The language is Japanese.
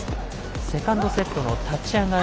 セカンドセットの立ち上がり